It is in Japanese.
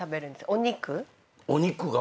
お肉？